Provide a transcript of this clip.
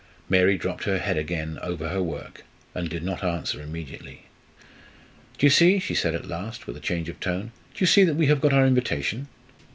Mary dropped her head again over her work and did not answer immediately. "Do you see " she said at last, with a change of tone, "do you see that we have got our invitation?"